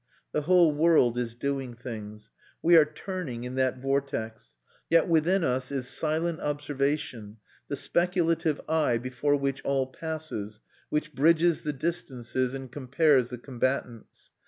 The whole world is doing things. We are turning in that vortex; yet within us is silent observation, the speculative eye before which all passes, which bridges the distances and compares the combatants.